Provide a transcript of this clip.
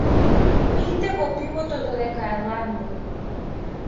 Пијте го пивото додека е ладно.